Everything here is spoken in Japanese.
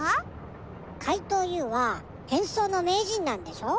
かいとうＵはへんそうのめいじんなんでしょう。